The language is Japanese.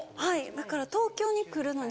だから東京に来るのに。